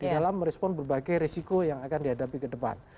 di dalam merespon berbagai risiko yang akan dihadapi ke depan